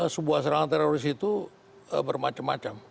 sebuah serangan teroris itu bermacam macam